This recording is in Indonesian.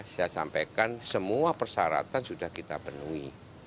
saya sampaikan semua persyaratan sudah kita penuhi